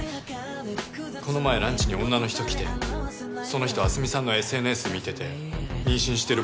この前ランチに女の人来てその人明日美さんのＳＮＳ見てて妊娠してる